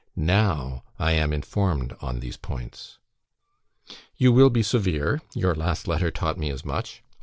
NOW I am informed on these points. "You will be severe; your last letter taught me as much.